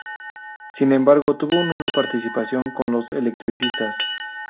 Sin embargo tuvo nula participación con los "electricistas".